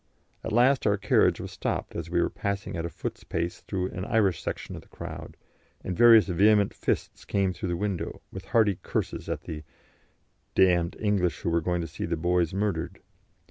At last our carriage was stopped as we were passing at a foot's pace through an Irish section of the crowd, and various vehement fists came through the window, with hearty curses at the "d d English who were going to see the boys murdered."